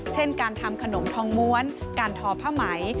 เช่นการทำขนมทองม้วนการทอผ้าไหม